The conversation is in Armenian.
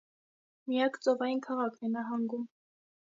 Միակ ծովային քաղաքն է նահանգում։